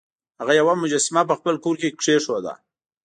هغه یوه مجسمه په خپل کور کې کیښوده.